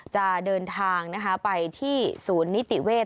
จะเดินทางไปที่ศูนย์นิติเวศ